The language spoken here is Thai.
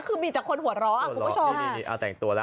คือมีจากคนหัวร้อผมก็ชอบ